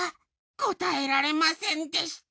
答えられませんでした。